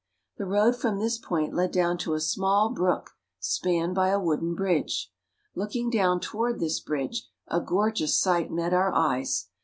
The road from this point led down to a small brook spanned by a wooden bridge. Looking down toward this bridge, a gorgeous sight met our eyes.